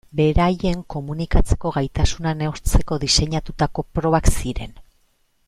Beraien komunikatzeko gaitasuna neurtzeko diseinatutako probak ziren.